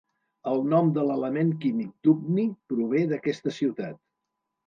El nom de l'element químic dubni prové d'aquesta ciutat.